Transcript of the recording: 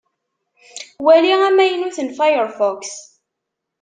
Wali amaynut n Firefox.